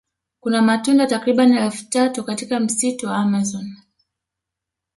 Kuna matunda takribani elfu tatu katika msitu wa amazon